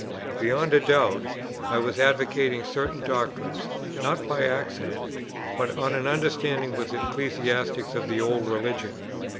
Beyond a doubt, I was advocating certain doctrines, not by accident, but on an understanding with ecclesiastics of the old religion.